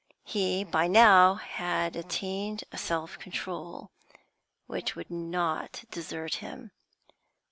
He, by now, had attained a self control which would not desert him.